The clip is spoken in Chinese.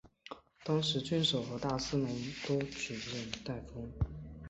当时郡守和大司农都举荐戴封。